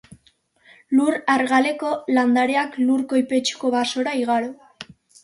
Lur argaleko landareak lur koipetsuko basora igaro.